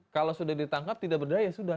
kalau sudah ditangkap tidak berdaya sudah